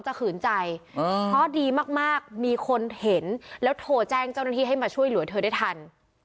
ขืนใจเพราะดีมากมีคนเห็นแล้วโทรแจ้งเจ้าหน้าที่ให้มาช่วยเหลือเธอได้ทัน